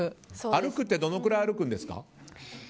歩くってどのくらい歩くんですか。